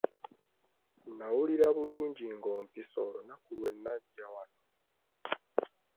Nnawulira bulungi nga ompise olunaku lwe nnajja wano.